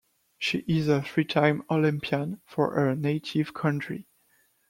She is a three-time Olympian for her native country.